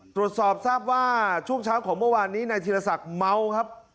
ตรวจสอบทราบว่าช่วงเช้าของเมื่อวานนี้นายธีรศักดิ์เมาครับ